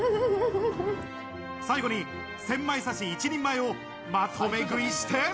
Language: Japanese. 最後にセンマイ刺し一人前をまとめ食いして。